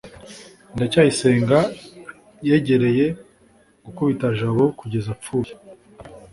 ndacyayisenga yegereye gukubita jabo kugeza apfuye